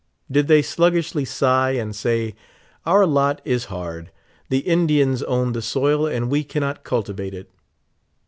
Did they sluggishly sigh, and say: "Our lot is hard ; the Indians own the soil, and we cannot cultivate it?"